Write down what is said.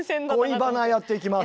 「恋バナ」やっていきます。